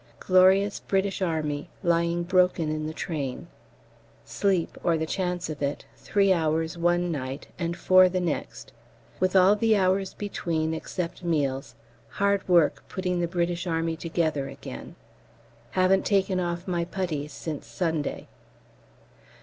Glorious British Army lying broken in the train sleep (or the chance of it) three hours one night and four the next, with all the hours between (except meals) hard work putting the British Army together again; haven't taken off my puttees since Sunday.